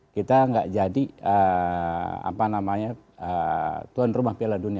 kita nggak jadi apa namanya tuan rumah piala dunia